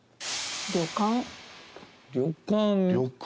旅館。